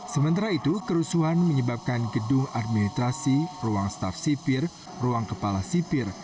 sementara itu kerusuhan menyebabkan gedung administrasi ruang staf sipir ruang kepala sipir